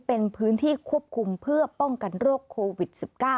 เป็นพื้นที่ควบคุมเพื่อป้องกันโรคโควิด๑๙